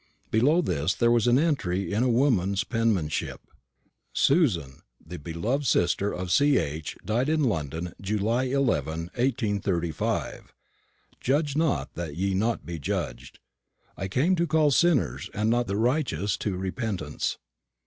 Below this there was an entry in a woman's penmanship: "Susan, the beloved sister of C. H., died in London, July 11, 1835. "Judge not, that ye be not judged. "I came to call sinners, and not the righteous, to repentance."